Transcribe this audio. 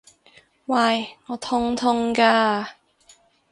喂！我痛痛㗎！